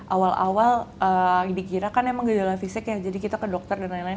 awal awal dikira kan emang gejala fisik ya jadi kita ke dokter dan lain lain